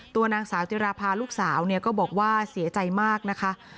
ตัวนางสาวจิราภาลูกสาวก็บอกว่าเสียใจมากนะคะ